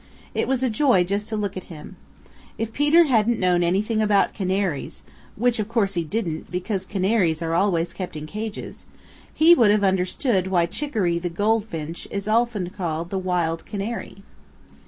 It was a joy just to look at him. If Peter had known anything about Canaries, which of course he didn't, because Canaries are always kept in cages, he would have understood why Chicoree the Goldfinch is often called the Wild Canary.